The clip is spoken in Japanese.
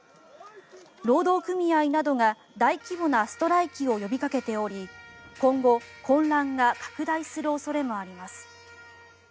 労働組合などが大規模なストライキを呼びかけており今後混乱が拡大する恐れがあります。